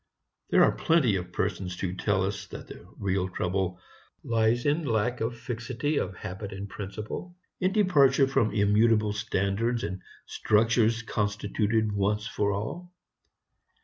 There are plenty of persons to tell us that the real trouble lies in lack of fixity of habit and principle; in departure from immutable standards and structures constituted once for all.